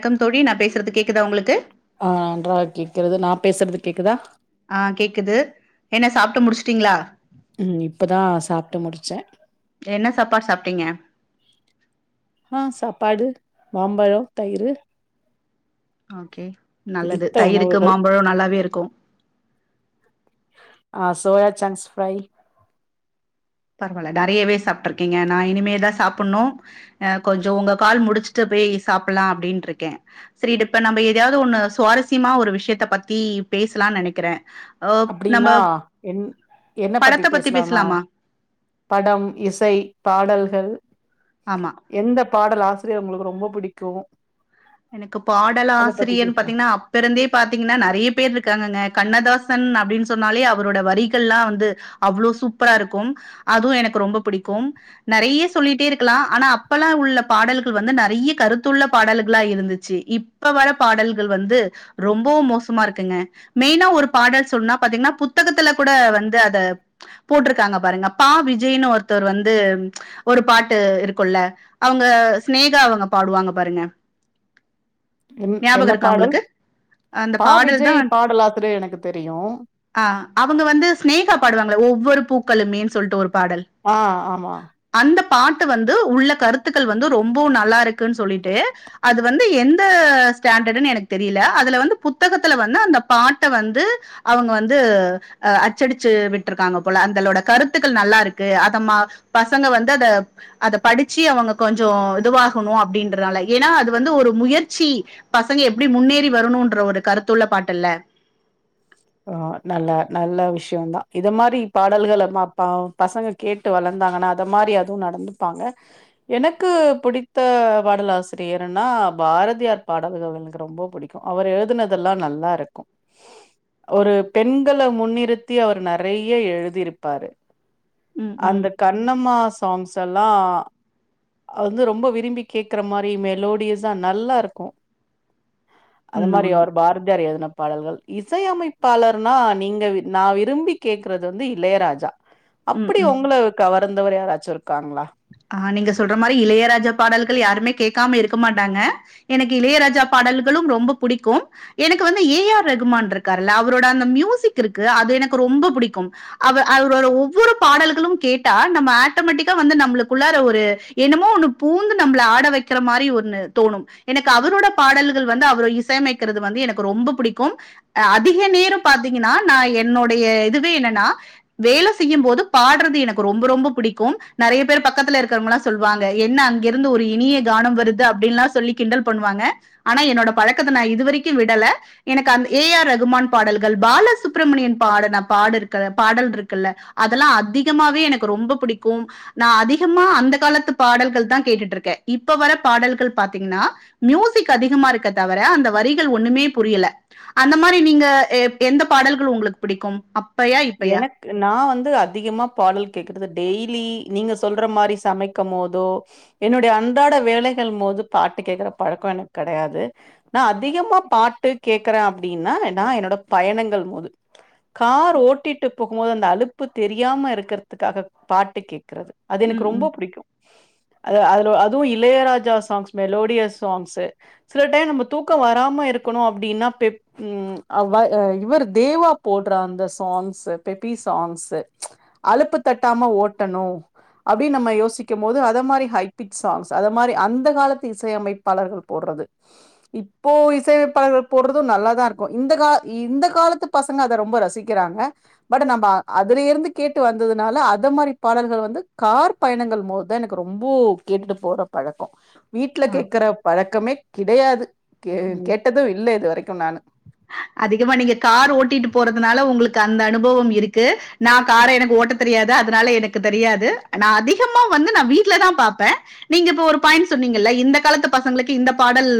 க்கம் தோழி நாப் பேசறது கேக்குதா உங்ளுக்கு ஆ நன்றாக கேக்கிறது நாப் பேசறது கேக்குதா ஆ கேக்குது என்ன சாப்ட்டு முடிச்ட்டீங்ளா ம் இப்போதா சாப்ட்டு முடிச்சே என்ன சாப்பாடு சாப்ட்டீங்க ஆ சாப்பாடு மாம்பழோ தயிரு ஓகே நல்லது பிடித்த தயிருக்கு உணவுகள் மாம்பழோ நல்லாவே இருக்கு ஆ சோயா சங்ஸ் ஃப்ரை பரவால நெறையவே சாப்ட்ருக்கீங்க நா இனிமேதா சாப்புனு அ கொஞ்ச ஒங்க கால் முடிச்சிட்டு போய் சாப்பெல்லா அப்டின்ருக்கே செரி டிப்ப நம்ம எதயாது ஒன்னு சுவாரஸ்யமா ஒரு விஷயத்த பத்தி பேசலா நெனக்கிறே அப்டின்னா என் என்ன பத்தி படத்த பேசலானா பேசலாமா படம் இசை பாடல்கள் ஆமா எந்த பாடல் ஆசிரியர் ஒங்ளுக்கு ரொம்ப புடிக்கு எனக்கு பாடல் ஆசிரியர்ன் பேசலா பாத்தீங்கன்னா அப்பருந்தே பாத்தீங்கனா நெறைய பேர் இருக்காங்கங்க கண்ணதாசன் அப்டின் சொன்னாலே அவரோட வரிகள்லா வந்து அவ்ளோ சூப்பரா இருக்கும் அதுவு எனக்கு ரொம்ப புடிக்கும் நெறையா சொல்லிட்டே இருக்லா ஆனா அப்பெல்லா உள்ள பாடல்கள் வந்து நெறைய கருத்துள்ள பாடல்க ளா இருந்துச்சி இப்ப வர பாடல்கள் வந்து ரொம்பவு மோசமா இருக்குங்க மெயினா ஒரு பாடல் சொன்னா பாத்தீங்கனா புத்தகத்துல கூட வந்து அத போட்ருக்காங்க பாருங்க பா விஜய்னு ஒருத்தர் வந்து ஒரு பாட்டு இருக்குல அவங்க ஸ்நேகா அவங்க பாடுவாங்க பாருங்க என் ஞாபகம் என்ன இருக்கா பாடல் உங்களுக்கு? அந்த பா பாடல் விஜய் தான் பாடலாசிரியர் எனக்கு தெரியு ஆ அவங்க வந்து ஸ்நேகா பாடுவாங்கள ஒவ்வொரு பூக்களுமேன் சொல்ட்டு ஒரு பாடல் ஆ ஆமா அந்த பாட்டு வந்து உள்ள கருத்துக்கள் வந்து ரொம்பவு நல்லா இருக்குன் சொல்லிட்டு அது வந்து எந்த ஸ்டாண்டர்டுன்னு எனக்கு தெரில அதுல வந்து புத்தகத்துல வந்து அந்த பாட்ட வந்து அவங்க வந்து அ அச்சடிச்சு விட்டுருக்காங்க போல அந்தலொட கருத்துக்கள் நல்லா இருக்கு அத ம பசங்க வந்து அத அத படிச்சி அவங்க கொஞ்சோ இதுவாகனு அப்டின்றனால ஏனா அது வந்து ஒரு முயற்சி பசங்க எப்டி முன்னேறி வரணுன்ற ஒரு கருத்துள்ள பாட்டுல்ல ஓ நல்லா நல்ல விஷ்யோ தா இத மாரி பாடல்களபாப்பா பசங்க கேட்டு வளந்தாங்கனா அத மாரி அதுவு நடந்துடாங்க எனக்கு புடித்த பாடலாசிரியர்னா பாரதியார் பாடல்கள் எனக்கு ரொம்ப புடிக் கு அவர் எழுதுனதெல்லாம் நல்லா இருக்கு ஒரு பெண்கள முன்யிருத்தி அவர் நெறைய எழுதிருப்பாரு உம் உம் அந்த கண்ணம்மா சாங்ஸ் எல்லா அது வந்து ரொம்ப விரும்பி கேக்கற மாரி மெலோடியஸா நல்லாருக்கு அது உண்மை மாரி உண்மை அவர் பாரதியார் எழுதுன பாடல்கள் இசை அமைப் பாளர்னா நீங்க நா விரும்பி கேக்குறது வந்து இளையராஜா ம், அப்டி ம். ஒங்ள கவர்ந்தவர் யாராச்சு இருக்காங்களா ஆ நீங்க சொல்ற மாரி இளையராஜா பாடல்கள் யாருமே கேக்காம இருக்க மாட்டாங்க எனக்கு இளையராஜா பாடல்களு ரொம்ப புடிக்கு எனக்கு வந்து ஏ ஆர் ரகுமான் இருக்கார்ல அவரோட அந்த மியூசிக் இருக்கு அது எனக்கு ரொம்ப புடிக்கும் அவ அவரோட ஒவ்வொரு பாடல்களும் கேட்டா நம்ம ஆட்டமெட்டிக்கா வந்து நம்ளுக் உள்ளார ஒரு என்னமோ ஒன்னு பூந்து நம்ள ஆட வக்கிற மாரி ஒன்னு தோணும் எனக்கு அவரோட பாடல்கள் வந்து அவர இசையமைக்கிறது வந்து எனக்கு ரொம்ப புடிக்கு அ அதிக நேர பாத்தீங்கனா நா என்னுடைய இதுவே என்னன்னா வேல செய்யம்போது பாட்றது எனக்கு ரொம்ப ரொம்ப புடிக்கு நெறைய பேர் பக் கத்துல இருக்றவங்கலா சொல்வாங்க என்ன அங்கிருந்து ஒரு இனிய கானம் வருது அப்டிலா சொல்லி கிண்டல் பண்ணுவாங்க ஆனா என்னோட பழக்கத்த நா இதுவரைக்கி விடல எனக்கு அந் ஏ ஆர் ரகுமான் பாடல்கள் பாலசுப்ரமணியன் பாடன பாடு இருக்க பாடல் இருக்குல்ல அதெல்லா அதிகமாவே எனக்கு ரொம்ப பிடிக்கும் நா அதி கமா அந்த காலத்து பாடல்கள் தா கேட்டுட்டு இருக்கே இப்ப வர பாடல்கள் பாத்தீங்ன்னா மியூசிக் அதிகமா இருக்க தவிர அந்த வரிகள் ஒன்னுமே புரியல அந்த மாரி நீங்க எ எந்த பாடல்கள் உங்களுக் புடிக்கும் எனக் நா வந்து அதிகமா பாடல் கேக்குறது டெய்லி நீங்க சொல்ற மாரி சமைக்க போதோ என்னுடைய அன்றாட வேலைகள் மோது பாட்டு கேக்குற பழக்கோ எனக் கிடையாது நா அதிகமா பாட்டு கேக்கறேன அப்டின்னா நா என்னோட பயணங்கள் மோது கார் ஓட்டிட்டு போகும்போது அந்த அழுப்பு தெரியாம இருக்கிறதுக்காக பாட்டு கேட்கறது அது ம் எனக் ம் ரொம்ப புடிக்கு அது அதுல அதுவு இளையராஜா சாங்ஸ் மெலோடியஸ் சாங்ஸ்சு சில டைம் நம்ப தூக்கோ வராம இருக்கணு அப்டின்னா பெப் ம் அவ அ இவர் தேவா போட் ர அந்த சாங்ஸ்சு பெபி சாங்ஸ்சு அலுப்பு தட்டாம ஓட்டணு அப்டின் நம்ம யோசிக்கு போது அத மாரி ஹை பிச் சாங்ஸ் அத மாரி அந்த காலத்து இசையமைப் பலர்கள் போற்றது இப்போ இசையமைப்பாளர்கள் போடுறது நல்ல தா இருக்கு இந்த கா இந்த காலத்து பசங்க ரொம்ப ரசிக்கிறாங்க பட்டு நம்ப அதுல இருந்து கேட்டு வந்ததுனால அத மாதிரி பாடல்கள் வந்து கார் பயணங்கள் மோதுதா எனக் ரொம்ப கேட்டுட்டு போற பழக்கோ வீட்ல ஆ கேட்கற பழக்கமே கிடையாது கே ஓ கேட்டது இல்ல இது வரைக்கு நானு அதிகமா நீங்க கார் ஓட்டிட்டு போறதுனால உங்களுக்கு அந்த அனுபவம் இருக்கு நா கார எனக் ஓட்டத் தெரியாதா அதனால எனக்கு தெரியாது நா அதிகமா வந்து நா வீட்டுல தா பாப்பே நீங்க இப்ப ஒரு பாயிண்ட் சொன்னீங்கல்ல இந்த காலத்து பசங்களுக்கு இந்த பாடல்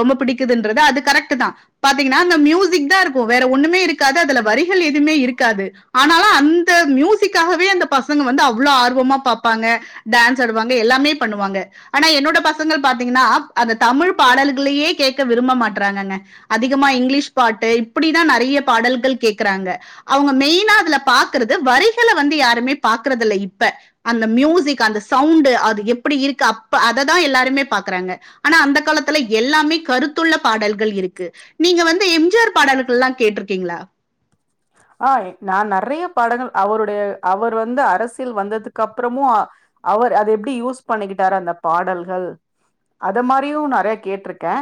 ரொம்ப பிடிக்குதுன்றது அது கரெக்ட் தா பாத்தீங்கன்னா மியூசிக் தா ருக்கு வேற ஒண்ணுமே இருக்காது அதுல வரிகள் எதுமே இருக்காது ஆனாலு அந் த மியூசிக்காகவே அந்த பசங்க வந்து அவ்ளோ ஆர்வமா பாப்பாங்க டான்ஸ் ஆடுவாங்க எல்லாமே பண்ணுவாங்க ஆனா என்னோட பசங்கள் பாத்தீங்கன்னா அந்த தமிழ் பாடல்களையே கேட்க விரும்ப மாட்டறாங்கங்க அதிகமா இங்கிலீஷ் பாட்டு இப்டிதா நிறைய பாடல்கள் கேக்குறாங்க அவுங்க மெய்னா அதுல பாக்குறது வரிகள வந்து யாருமே பாக்குறதுல்ல இப்ப அந்த மியூசிக் அந்த சவ்ண்டு அது எப்படி இருக்கு அப்ப அததா எல்லாருமே பாக்கறாங்க ஆனா அந்த காலத்துல எல்லாமே கருத்துள்ள பாடல்கள் இருக்கு நீங்க வந் து எம்ஜிஆர் பாடல்கள்லா கேட்ருக்கீங்களா ஆ நா நறைய பாடங்கள் அவருடைய அவர் வந்து அரசியல் வந்ததுக்கு அப்புறமு அவர் அத எப்டி யூஸ் பண்ணிக்கிட்டாரு அந்த பாடல்கள் அத மாரியு நெறைய கேட்ருக்கே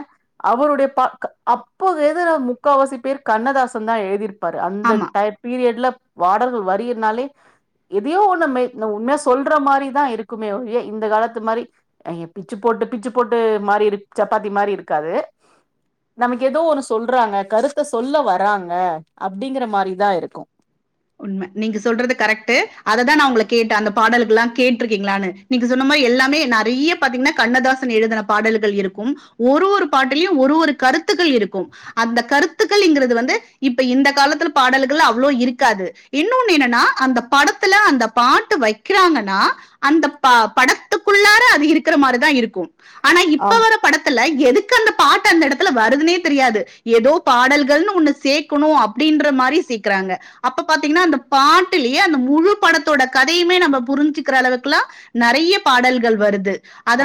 அவருடைய ப க அப்ப எழுதுன முக்காவாசி பேர் கண்ணதாசன் தா எழுதிருப்பார் அந்த ஆமா டைப் பீரியட்லப் வாடல்கள் வரின்னாலே எதையோ ஒன்ன மெய் ன உண்மைய சொல்ற மாரிதா இருக்குமே ஒழிய இந்த காலத்து மாரி அ பிச்சு போட்டு பிச்சு போட்டு மாரி இருக் சப்பாத்தி மாரி இருக்காது நமக்கு ஏதோ ஒரு சொல்றாங்க கருத்த சொல்ல வராங்க அப்படிங்கற மாரிதா இருக்கு உண்ம நீங்க சொல்றது கரெக்ட்டு அததா நா உங்கள கேட்ட அந்த பாடல்கள்லா கேட்ருக்கீங்களான்னு நீங்க சொன்ன மாரி எல்லாமே நறையா பாத்தீங்கன்னா கண்ணதாசன் எழுதன பாடல்கள் இருக்கும் ஒரு ஒரு பாட்டுலியு ஒரு ஒரு கருத்துக்கள் இருக்கு அந்த கருத்துக்களிங்கிறது வந்து இப்ப இந்த காலத்தில பாடல்கள் அவ்ளோ இருக் க்காது இன்னொன்னு என்னன்னா அந்த படத்துல அந்த பாட்டு வக்கிறாங்கன்னா அந்த ப படத்துக்குள்ளார அது இருக்கிற மாரிதா இருக்கு ஆனா இப்ப ஆம் வர பட த்துல எதுக்கு அந்த பாட்டு அந்த எடத்துல வருதுன்னே தெரியாது எதோ பாடல்கள்னு ஒன்னு சேக் கணு அப்டின்ற மாரி சேக்குறாங்க அப்ப பாத்தீங்கன்னா அந்த பாட்டுலெயே அந்த முழு படத்தோட கதையுமே நம்ம புருஞ்சுக்குற அளவுக்கெல்லா நறையா பாடல்கள் வருது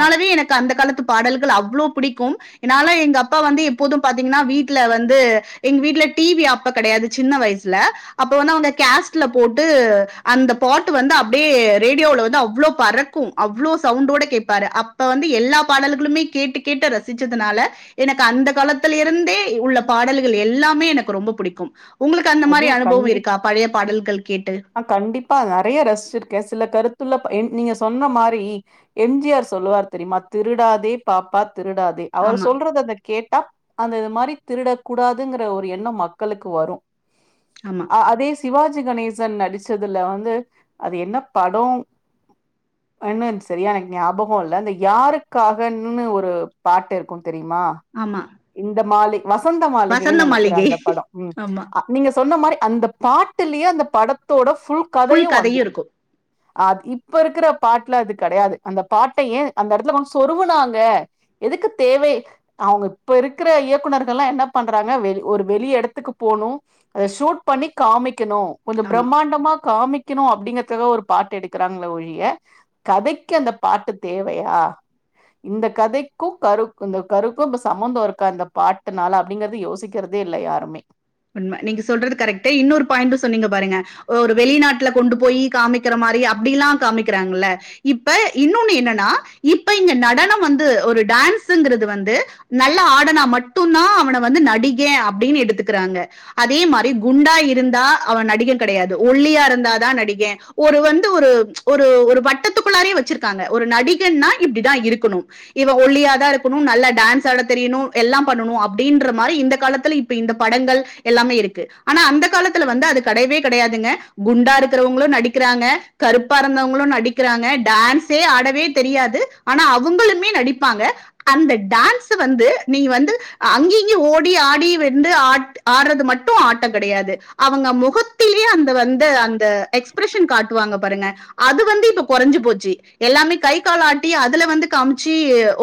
அ எனக்கு அந்த காலத்து பாடல்கள் அவ்ளோ பிடிக்கும் என்னால எங்க அப்பா வந்து எப்போது பாத்தீங்ன்னா வீட்ல வந்து எங்க வீட்ல டி வி அப்ப கெடையாது சின்ன வயச் ச்ல அப்போ வந்து அவ்ங்க கேஸ்ட்ல போட்டு அந்த பாட்டு வந்து அப்டியே ரேடியோல வந்து அவ்ளோ பறக்கு அவ்ளோ சவுண்டோட கேட்பாரு அப்ப வந்து எல்லா பாடல்களுமே கேட்டு கேட்டு ரசுச்சதுனால எனக்கு அந்த காலத்துல இருந்தே எ உள்ள பாடல்கள் எல்லாமே எனக்கு ரொம்பொ புடிக்கும் உங்களுக்கு அந்த மாரி அதுவு அனுபவொ கண்டிப் இருக்கா பழைய பாடல்கள் கேட்டு ஆ கண்டிப்பா நறையு ரசுச்சிருக்கே சில கருத்துள்ள ப என் நீங்க சொன்ன மாரி எம் ஜி ஆர் சொல்லுவார் தெரியுமா திருடாதே பாப்பா திருடாதே அவரு ஆமா, சொல்றது அந்த கேட்டா அந்த இது மாரி திருடக் கூடாதுங்குற ஒரு எண்ணம் மக்களுக்கு வரு ஆமா அ அதே சிவாஜி கணேசன் நடிச்சதுல வந்து அது என்ன படொ அண்ணன் சரியா எனக்கு ஞாபகொ இல்ல இந்த யாருக்காகன்னு ஒரு பாட்டு இருக்கு தெரியுமா ஆமா இந்த மாளி வசந்த மாளிகை வசந்த நனக்குற மாளிகை அந்த படொ ம் ஆமா. அ நீங்க சொன்ன மாரி அந்த பாட்டுலயே அந்த படத்தோட ஃபுல் கதயு கதையும் வந்துரு இருக்கும். அ இப்ப இருக்குற பாட்டுல அது கெடயாது அந்த பாட்ட ஏ அந்த எடத்துல வ சொருவுனாங்க எதுக்கு தேவை அவ்ங்க இப்ப இருக்குற இயக்குனர்கள்லா என்ன பண்டறாங்க வெளி ஒரு வெளி எடத்துக்கு போணு அத ஷூட் பண்ணி காமிக்கனு கொஞ்சொ ஆமா. பிரம்மாண்டமா காமிக் கெனு அப்டிங்கெறத்தக ஒரு பாட்டு எடுக்குறாங்கள ஒழிய கதெக்கு அந்த பாட்டு தேவையா இந்த கதெக்கு கரு இந்த கருக்கு இப்ப ச சம்மந்தொ இருக்கா இந்த பாட்டுனால அப்பிடிங்கெறது யோசிக்கெறதே இல்ல யாருமே உண்ம நீங்க சொல்றது கரெக்ட்டு இன்னொரு பாய்ண்ட்டு சொன்னீங்க பாருங்க ஒரு வெளிநாட்ல கொண்டு போய் காமிக்கெற மாரி அப்டில்லா காமிக்கெறாங்கல்ல இப்ப இன்னொன்னு என்னன்னா இப்ப இங்க நடனம் வந்து ஒரு டான்ஸ்ஸுங்குறது வந்து நல்ல ஆடுனா மட்டு்ந்தா அவன வந்து நடிகெ அப்டின்னு எடுத்துக்கெறாங்க அதே மாரி குண்டா இருந்தா அவ நடிகெ கெடையாது ஒல்லியா இருந்தாதா நடிகேனு ஒரு வந்து ஒரு ஒரு ஒரு வட்டத்துக்குள்ளாரயே வெச்சுருக்காங்க ஒரு நடிகென்னா இப்டிதா இருக்குணு இவ ஒல்லியா தா இருக்குணு நல்லா டான்ஸ் ஆட தெரியுணு எல்லாம் பண்ணுனு அப்டின்ற மாரி இந்த காலத்துல இப்ப இந்த படங்கள் எல்லாமே இருக்கு ஆனா அந்த காலத்துல வந்து அது கடையவே கடையாதுங்க குண்டா இருக்குறவங்களு நடிக்கிறாங்க கருப்பா இருந்தவங்களு நடிக்கிறாங்க டான்ஸே ஆடவே தெரியாது ஆனா அவுங்களுமே நடிப்பாங்க அந்த டான்ஸு வந்து நீ வந்து அங்க இங்க ஓடி ஆடி வெந்து ஆ ஆட்றது மட்டு ஆட்டொ கெடயாது அவுங்க முகத்திலெயே அந்த வந்து அந்த எக் ப்ரெஷன் காட்வாங்க பாருங்க அது வந்து இப்ப கொறஞ்சு போச்சி எல்லாமே கை கால் ஆட்டி அதுல வந்து காம்ச்சி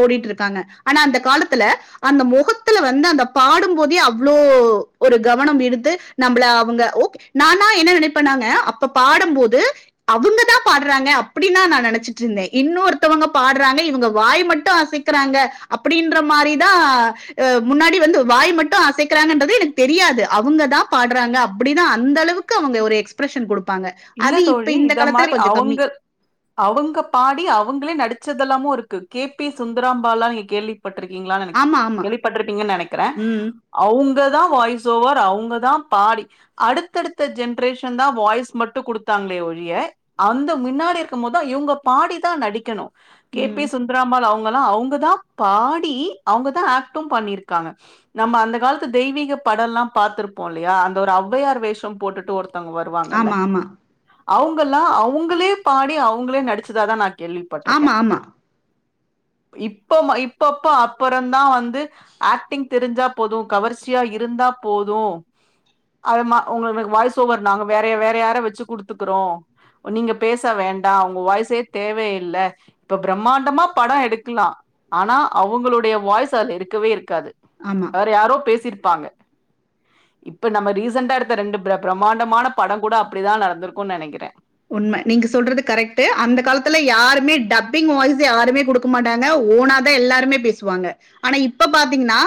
ஓடீட்டு இருக்காங்க ஆனா அந்த காலத்துல அந்த மொகத்துல வந்து அந்த பாடும்போதே அவ்ளோ ஒ ஒரு கவனம் இழுத்து நம்பள அவுங்க ஓகே நானா என்ன நெனைப்பனாங்க அப்ப பாடும்போது அவுங்க தா பாட்றாங்க அப்டின்னா நா நெனைச்சிட்ருந்தே இன்னொருத்தவங்க பாட்றாங்க இவுங்க வாய் மட்டு அசைக் குறாங்க அப்டின்ற மாரி தா அ முன்னாடி வந்து வாய் மட்டு அசைக்கிறாங்கன்றது எனக்கு தெரியாது அவுங்க தா பாட்றாங்க அப்டினு அந்த அளவுக் க்கு அவுங்க ஒரு எக்ஸ்பிரஷன் குடுப்பாங்க இல்ல அது இப்ப இந்த காலத்துல கொஞ்ச கம்மி அவுங்க பாடி அவுங்களே நடிச்சதெல்லாமு இருக்கு கே பி சுந்தராம்பாள்லா நீங்க கேள்வி பட்ருக்கிங்ளானு எனக்கு ஆமா [inaudible] ஆமா கேளிப்பட்ருப்பீங்கன் நெனைக்கிறே உம் அவுங்க தா வாய்ஸ் ஓவர் அவுங்கதா பாடி அடுத்தடுத் த ஜென்ரேஷன் தா வாய்ஸ் மட்டு குடுத்தாங்களே ஒழிய அந்த மின்னாடி இருக்கம் மோதுதா இவுங்க பாடிதா நடிக்கணு கே உம் பி சுந் ந்தராம்பாள் அவுங்கலா அவுங்க தா பாடி அவுங்க தா ஆக்ட்டு பண்ணிருக்காங்க நம்ம அந்த காலத்து தெய்வீக படல்லா பாத்திருப்போ இல்லையா அந்த ஒரு ஔவையார் வேஷம் போட்டுட்டு ஒருத்தவ்ங்க வருவாங்கல்ல ஆமா ஆமா அவுங்கலா அவுங்களே பாடி அவுங்களே நடிச்சதாதா நா கேள்விப்பட்ருக்கே ஆமா ஆமா இப்பமா இப்பப்ப அப்பறந்தா வந்து ஆக்டிங் தெரிஞ்சா போது கவர்ச்சியா இருந்தா போது அது மா உங்களுக் வாய்ஸ் ஓவர் நாங்க வேறய வேற யாரை வச்சு குடுத்துக்குறோ நீங்க பேச வேண்டா உங்க வாய்சே தேவயில்ல இப்ப பிரம்மாண்டமா பட எடுக்கலா ஆனா அவ்ங்களுடைய வாய்ஸ் அதுல இருக்கவே இருக்காது ஆமா வேற யாரோ பேசிருப்பாங்க இப்ப நம்ம ரீசண்ட்டா எடுத்த ரெண்டு பிர பிரம்மாண்டமான படங்கூட அப்டிதா நடந்திருக்குன் நெனைக்கிறே உண்ம நீங்க சொல்றது கரெக்ட்டு அந்த காலத்துல யாருமே டப்பிங் வாய்ஸ் யாருமே குடுக் க மாட்டாங்க ஓனா தா எல்லாருமே பேசுவாங்க ஆனா இப்ப பாத்தீங்கனா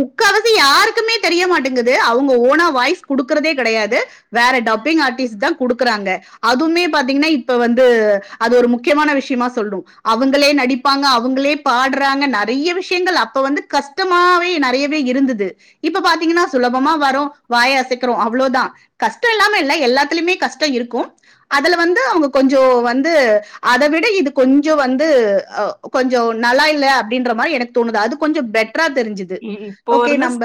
முக்காவாசி யாருக்குமே தெரியமாட்டிங்குது அவுங்க ஓனா வாய்ஸ் குடுக்குறதே கெடையாது வேற டப்பிங் ஆர்டிஸ்ட் தா குடுக்குறாங்க அதுமே பாத்தீங்கனா இப்ப வந்து அது ஒரு முக்கியமான விஷ்யமா சொல்னு அவுங்களே நடிப் பாங்க அவுங்களே பாட்றாங்க நெறைய விஷ்யங்கள் அப்ப வந்து கஷ்டமாவே நெறையவே இருந்தது இப்ப பாத்தீங்கனா சுலபமா வரோ வாய் அசைக்கிறோ அவ்ளோதா கஷ்ட இல்லாம இல்ல எல்லாத்துலயுமே கஷ்ட இருக்கு அதுல வந்து அவுங்க கொஞ்ச வந்து அத விட இது கொஞ்ச வந்து அ கொஞ்ச நல்லா இல்ல அப்டின்ற மாரி எனக்கு தோணுது அது கொஞ்ச பெட்ரா தெரிஞ்சுது ஓகே நம்ப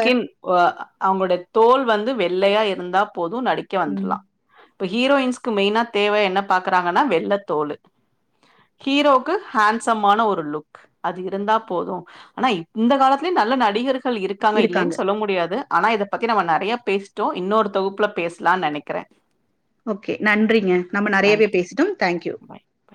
வா அவுங்களுடைய தோல் வந்து வெள்ளையா இருந்தா போது நடிக்க ம், வந்துர்லா இப்ப ஹீரோயின்ஸ்க்கு மெய்னா தேவ என்ன பாக்குறாங்கனா வெள்ளத் தோலு ஹீரோக்கு ஹேண்சம்மான ஒரு லுக் அது இருந்தா போது ஆனா இப் இந்த காலத்துலயு நல்ல நடிகர்கள் இருக்காங்க இல்லைன் சொல்ல முடியாது ஆனா இத பத்தி நம்ம நெறையா பேசிட்டோ இன்னொரு தொகுப்புல பேசலான் நெனைக்கிறே ஓகே நன்றிங்க நம்ம நெறையவே நன்றி. பேசிட்டோம் தேங்க்யூ பாய்.